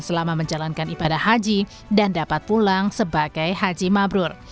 selama menjalankan ibadah haji dan dapat pulang sebagai haji mabrur